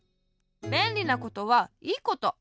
べんりなことはいいこと。